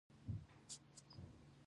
وقایه له درملنې غوره ده